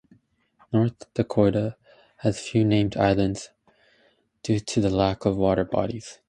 North Dakota has few named islands due to the lack of water bodies.